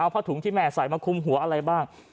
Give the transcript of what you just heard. ผ้าถุงที่แม่ใส่มาคุมหัวอะไรบ้าง